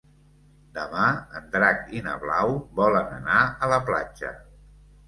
Demà en Drac i na Blau volen anar a la platja.